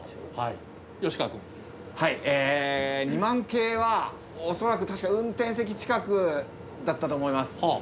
２００００系は恐らく確か運転席近くだったと思います。